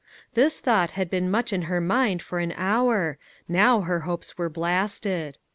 This thought had been much in her mind for an hour ; now her hopes were blasted.